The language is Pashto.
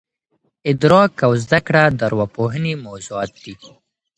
ادراک او زده کړه د ارواپوهني موضوعات دي.